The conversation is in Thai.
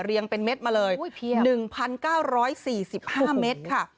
เป็นเม็ดมาเลย๑๙๔๕เมตรค่ะ